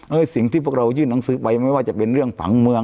สิ่งที่พวกเรายื่นหนังสือไปไม่ว่าจะเป็นเรื่องฝังเมือง